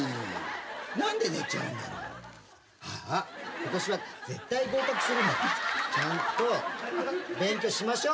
ことしは絶対合格するまでちゃんと勉強しましょう。